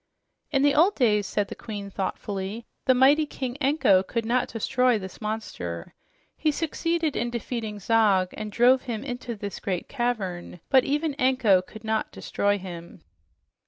"In the old days," said the Queen thoughtfully, "the mighty King Anko could not destroy this monster. He succeeded in defeating Zog and drove him into this great cavern, but even Anko could not destroy him."